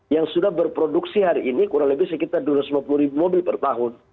yang sudah berproduksi hari ini kurang lebih sekitar dua ratus lima puluh ribu mobil per tahun